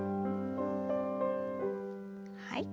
はい。